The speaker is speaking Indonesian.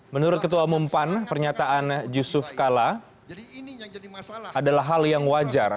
menurut ketua umum pan pernyataan yusuf kala adalah hal yang wajar